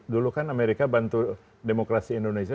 dulu kan amerika bantu demokrasi indonesia